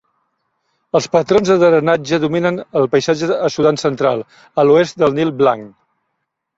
Els patrons de drenatge dominen el paisatge a Sudan central, a l"oest del Nil Blanc.